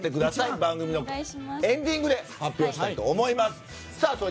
番組のエンディングで発表したいと思います。